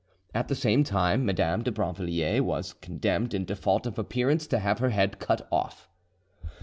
At the same time Madame de Brinvilliers was condemned in default of appearance to have her head cut off.